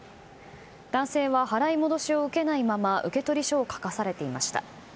男性は払い戻しを受けないまま受取書を書かされていました。